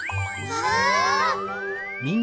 わあ！